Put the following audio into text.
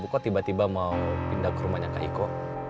kok tiba tiba mau pindah ke rumahnya kak iko